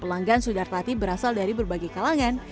pelanggan sudar tati berasal dari berbagai kalangan